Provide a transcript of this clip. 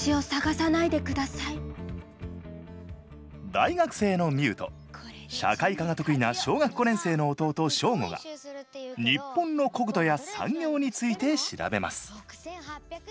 大学生のミウと社会科が得意な小学５年生の弟ショーゴが日本の国土や産業について調べます。